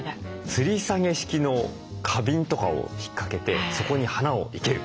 つり下げ式の花瓶とかを引っかけてそこに花を生ける。